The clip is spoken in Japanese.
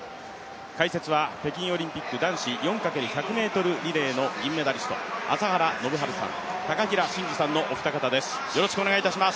解説は北京オリンピック男子４×１００ｍリレーの銀メダリスト朝原宣治さん、高平慎士さんのお二方です。